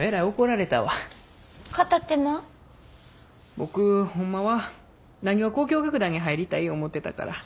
僕ホンマは浪花交響楽団に入りたい思うてたから。